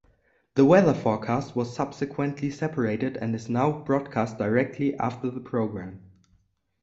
The weather forecast was subsequently separated and is now broadcast directly after the programme.